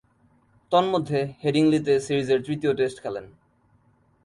তন্মধ্যে, হেডিংলিতে সিরিজের তৃতীয় টেস্ট খেলেন।